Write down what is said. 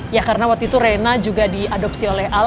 ya karena waktu itu reina juga diadopsi oleh aldi